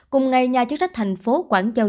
cùng ngày nhà chức trách thành phố quảng châu